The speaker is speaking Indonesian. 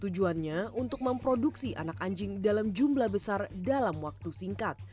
tujuannya untuk memproduksi anak anjing dalam jumlah besar dalam waktu singkat